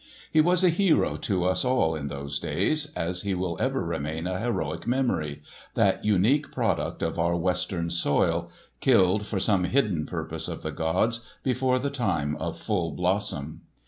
He was a hero to us all in those days, as he will ever remain a heroic memory—that unique product of our Western soil, killed, for some hidden purpose of the gods, before the time of full blossom.